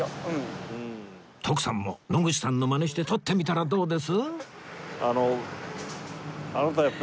徳さんも野口さんのマネして撮ってみたらどうです？